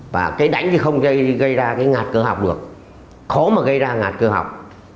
và cái đánh thì không gây ra cái ngạt cơ học được khó mà gây ra ngạt cơ học